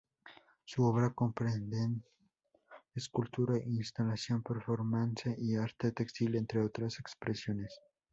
Su obra comprende escultura, instalación, performance y arte textil, entre otras expresiones.